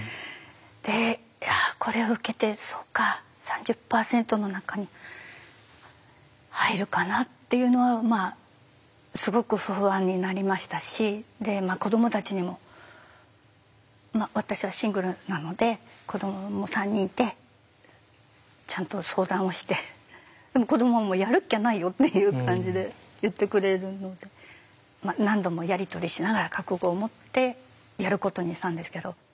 でいやこれを受けてそっか３０％の中に入るかなっていうのはすごく不安になりましたしで子どもたちにも私はシングルなので子どもも３人いてちゃんと相談をしてでも子どもも「やるっきゃないよ」っていう感じで言ってくれるので何度もやり取りしながら覚悟を持ってやることにしたんですけど。